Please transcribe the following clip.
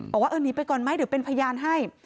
บอกว่าเออหนีไปก่อนไหมเดี๋ยวเป็นพยานให้